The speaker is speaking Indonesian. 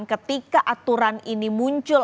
ketika aturan ini muncul